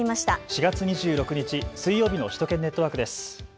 ４月２６日水曜日の首都圏ネットワークです。